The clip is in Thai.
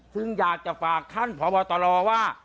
ซึ่งอยากจะฝากท่านพบตรว่า